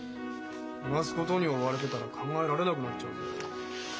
こなすことに追われてたら考えられなくなっちゃうぜ。